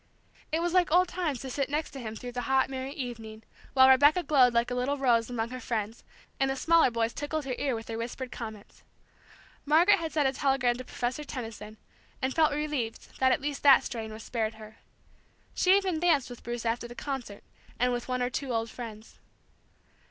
It was like old times to sit next to him through the hot merry evening, while Rebecca glowed like a little rose among her friends, and the smaller boys tickled her ear with their whispered comments. Margaret had sent a telegram to Professor Tenison, and felt relieved that at least that strain was spared her. She even danced with Bruce after the concert, and with one or two old friends.